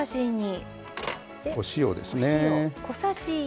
お塩ですね。